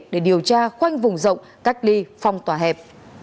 để điều tra khoanh vùng rộng cách ly phong tỏa hẹp